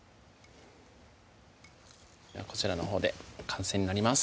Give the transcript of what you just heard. こちらのほうで完成になります